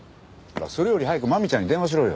それより早くマミちゃんに電話しろよ。